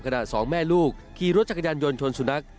สองแม่ลูกขี่รถจักรยานยนต์ชนสุนัข